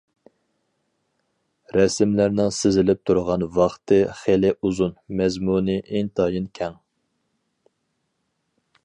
رەسىملەرنىڭ سىزىلىپ تۇرغان ۋاقتى خېلى ئۇزۇن، مەزمۇنى ئىنتايىن كەڭ.